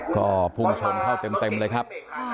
ก็พุ่งชนเข้าเต็มเลยครับ